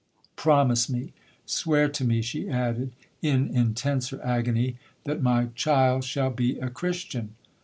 Promise me,—swear to me,' she added, in intenser agony, 'that my child shall be a Christian!